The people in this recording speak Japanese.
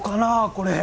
これ。